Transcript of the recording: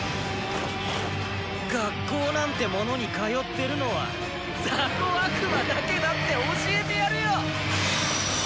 学校なんてものに通ってるのは「ザコ悪魔だけ」だって教えてやるよ！